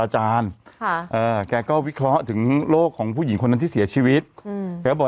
หาแกก็วิเคราะห์ถึงโลกของผู้หญิงคนนั้นที่เสียชีวิตพ่อยบอก